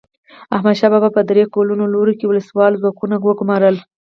احمدشاه بابا په درې ګونو لورو کې وسله وال ځواکونه وګمارل.